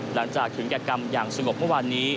หลังจากถึงแก่กรรมอย่างสงบเมื่อวานนี้